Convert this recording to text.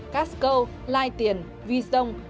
casco lai tiền visdong